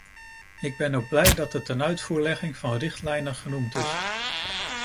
Ik ben ook blij dat de tenuitvoerlegging van richtlijnen genoemd is.